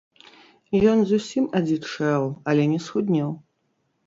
Ён зусім адзічэў, але не схуднеў.